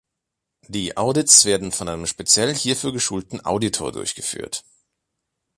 Die Audits werden von einem speziell hierfür geschulten Auditor durchgeführt.